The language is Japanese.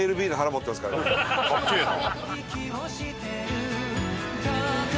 かっけえな。